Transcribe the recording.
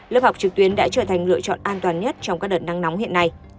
lớp học trực tuyến đã trở thành lựa chọn an toàn nhất trong các đợt nắng nóng hiện nay